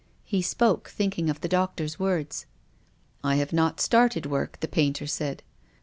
He spoke, thinking of the doctor's words. " I have not started work," the painter said.